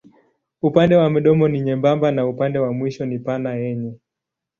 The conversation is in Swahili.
Upande wa mdomo ni nyembamba na upande wa mwisho ni pana yenye.